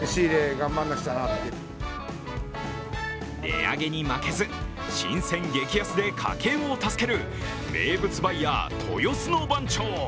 値上げに負けず、新鮮、激安で家計を助ける名物バイヤー、豊洲の番長。